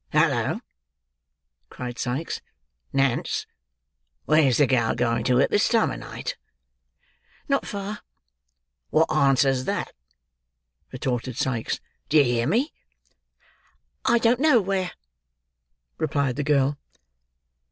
"Hallo!" cried Sikes. "Nance. Where's the gal going to at this time of night?" "Not far." "What answer's that?" retorted Sikes. "Do you hear me?" "I don't know where," replied the girl.